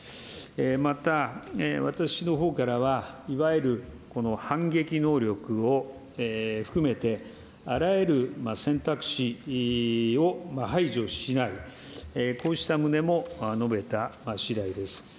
また、私のほうからは、いわゆる反撃能力を含めて、あらゆる選択肢を排除しない、こうした旨も述べたしだいです。